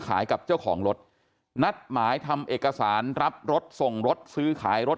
ขายกับเจ้าของรถนัดหมายทำเอกสารรับรถส่งรถซื้อขายรถ